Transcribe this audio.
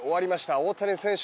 大谷選手